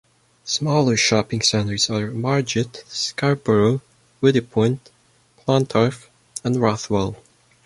Smaller shopping centres are at Margate, Scarborough, Woody Point, Clontarf and Rothwell.